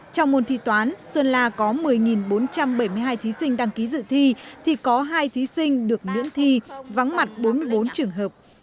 trong môn thi toán sơn la có một mươi bốn trăm bảy mươi hai thí sinh đăng ký dự thi thì có hai thí sinh được miễn thi vắng mặt bốn mươi bốn trường hợp